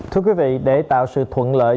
thưa quý vị để tạo sự thuận lợi